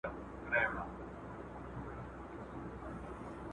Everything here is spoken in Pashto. خورما ونې ناوړه هوا سره مقاومت لري.